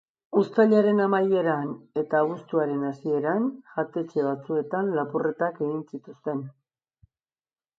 Uztailaren amaieran eta abuztuaren hasieran jatetxe batzuetan lapurretak egin zituzten.